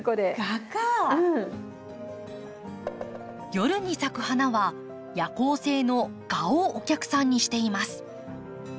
夜に咲く花は夜行性の蛾をお客さんにしています。